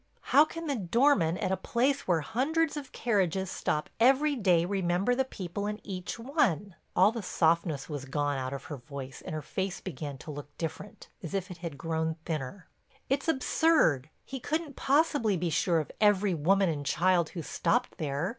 "How can the doorman at a place where hundreds of carriages stop every day remember the people in each one?" All the softness was gone out of her voice and her face began to look different, as if it had grown thinner. "It's absurd—he couldn't possibly be sure of every woman and child who stopped there.